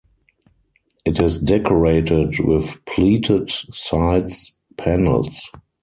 It is decorated with pleated sides panels.